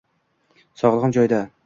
Sog`lig`im joyida